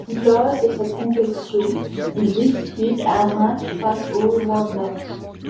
Lors de cette compétition, il dispute un match face au Rwanda.